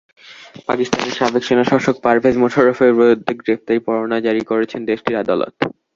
পাকিস্তানের সাবেক সেনাশাসক পারভেজ মোশাররফের বিরুদ্ধে গ্রেপ্তারি পরোয়ানা জারি করেছেন দেশটির আদালত।